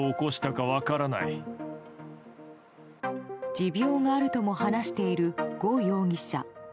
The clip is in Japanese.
持病があるとも話しているゴ容疑者。